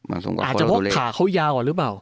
อาจจะเพราะขาเขายาวกว่าหรือเปล่า